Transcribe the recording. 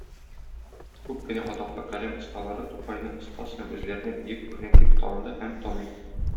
Күп кенә атаклы каләм осталары Тукайны остаз һәм үзләренә бөек үрнәк дип таныды һәм таный.